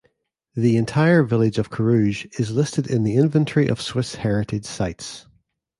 The entire village of Carouge is listed in the Inventory of Swiss Heritage Sites.